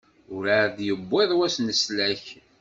Werɛad i d-yewwiḍ wass n leslak.